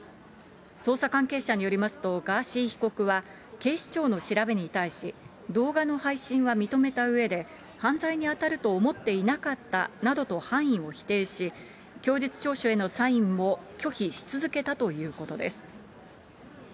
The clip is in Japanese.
捜査関係者によりますと、ガーシー被告は警視庁の調べに対し、動画の配信は認めたうえで、犯罪に当たると思っていなかったなどと犯意を否定し、供述調書へのサインも拒否し続けたということです。